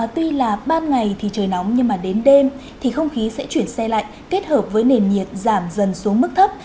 tuy là ban ngày thì trời nóng nhưng mà đến đêm thì không khí sẽ chuyển xe lạnh kết hợp với nền nhiệt giảm dần xuống mức thấp